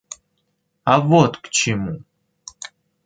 А вот к чему!